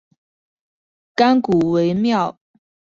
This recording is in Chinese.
甘谷文庙大成殿的历史年代为明代。